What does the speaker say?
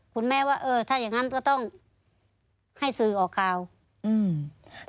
คุณแม่ว่าเออถ้าอย่างงั้นก็ต้องให้สื่อออกข่าวอืม